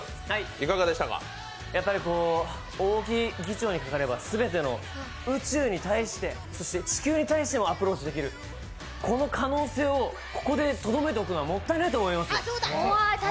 やっぱり大木議長にかかれば、全ての宇宙に対してそして地球に対してもアプローチできる、この可能性をここでとどめておくのはもったいないと思います。